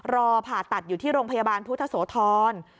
รอผ่าตัดอยู่ที่โรงพยาบาลพุทธโสธร